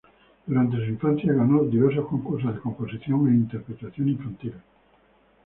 Durante su infancia ganó diversos concursos de composición e interpretación infantil.